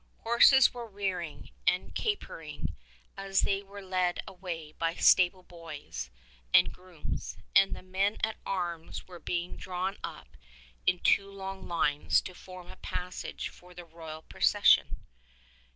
Horses were rearing and capering as they were led away by stable boys and grooms, and the men at arms were being drawn up in two long lines to form a passage for the royal procession.